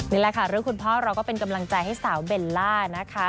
นี่แหละค่ะเรื่องคุณพ่อเราก็เป็นกำลังใจให้สาวเบลล่านะคะ